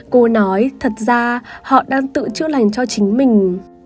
cô nói thật ra họ đang tự chưa lành cho chính mình